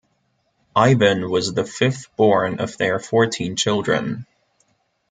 Ivan was the fifth-born of their fourteen children.